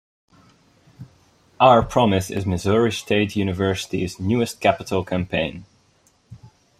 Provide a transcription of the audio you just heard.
OurPromise is Missouri State University's newest capital campaign.